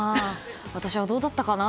私はどうだったかな。